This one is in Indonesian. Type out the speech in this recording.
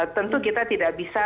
tentu kita tidak bisa